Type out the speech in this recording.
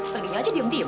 perginya aja diam diam